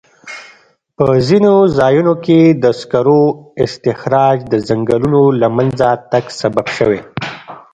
په ځینو ځایونو کې د سکرو استخراج د ځنګلونو له منځه تګ سبب شوی.